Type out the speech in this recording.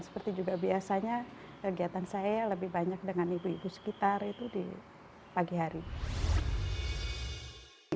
seperti juga biasanya kegiatan saya lebih banyak dengan ibu ibu sekitar itu di pagi hari